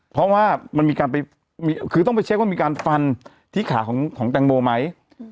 เพราะว่ามันมีการไปคือต้องไปเช็คว่ามีการฟันที่ขาของแตงโมไหม